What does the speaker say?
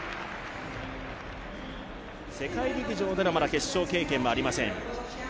世界陸上での決勝経験はまだありません。